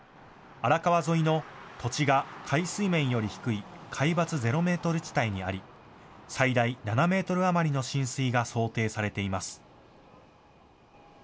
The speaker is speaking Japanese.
荒川沿いの、土地が海水面より低い海抜ゼロメートル地帯にあり、最大７メートル余りの浸水が想定されています。